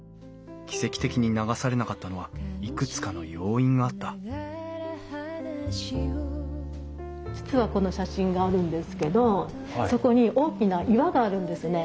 奇跡的に流されなかったのはいくつかの要因があった実はこの写真があるんですけどそこに大きな岩があるんですね。